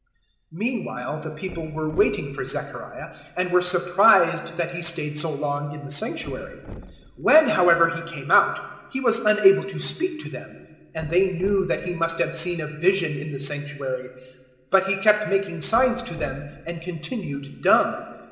001:021 Meanwhile the people were waiting for Zechariah, and were surprised that he stayed so long in the Sanctuary. 001:022 When, however, he came out, he was unable to speak to them; and they knew that he must have seen a vision in the Sanctuary; but he kept making signs to them and continued dumb.